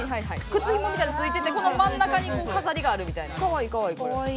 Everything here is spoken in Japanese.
靴ひもみたいのついててこの真ん中に飾りがあるみたいな。